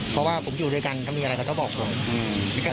เพราะว่าผมอยู่ด้วยกันมีอะไรก็ต้องบอกเขา